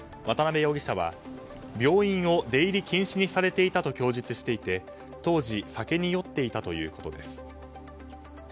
渡辺容疑者は病院を出入り禁止にされていたと供述していて当時、酒に酔っていたということです。